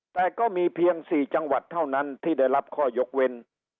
แต่ก็มีเพียง๔จังหวัดเท่านั้นที่ได้รับข้อยกเว้น